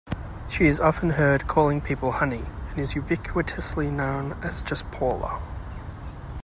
She is often heard calling people "honey," and is ubiquitously known as just "Paula.